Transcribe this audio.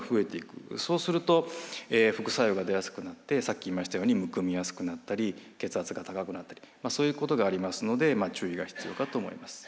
そうすると副作用が出やすくなってさっき言いましたようにむくみやすくなったり血圧が高くなったりそういうことがありますので注意が必要かと思います。